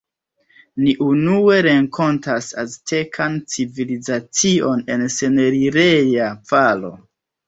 Ni unue renkontas aztekan civilizacion en senelireja valo.